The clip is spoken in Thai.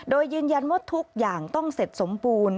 โดยยืนยันว่าทุกอย่างต้องเสร็จสมบูรณ์